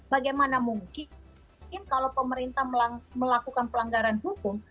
bagaimana mungkin kalau pemerintah melakukan pelanggaran hukum